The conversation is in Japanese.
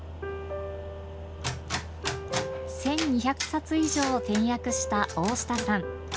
１２００冊以上を点訳した大下さん。